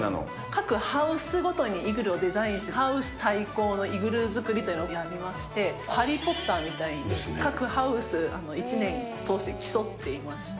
各イグルーごとにイグルーをデザインして、ハウス対抗のイグルー作りというのをやりまして、ハリー・ポッターみたいに各ハウス、一年通して競っていまして。